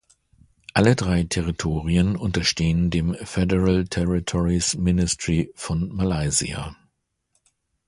Alle drei Territorien unterstehen dem "Federal Territories Ministry" von Malaysia.